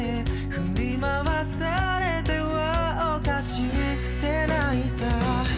「振り回されては可笑しくて泣いた」